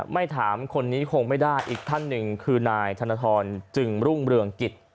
ไม่ถามคนนี้คงไม่ได้อีกท่านหนึ่งคือนายธนทรจึงรุ่งเรืองกิจ